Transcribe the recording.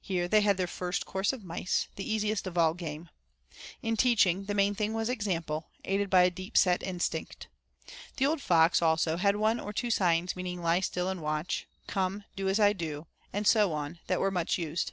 Here they had their first course of mice, the easiest of all game. In teaching, the main thing was example, aided by a deep set instinct. The old fox, also, had one or two signs meaning "lie still and watch," "come, do as I do," and so on, that were much used.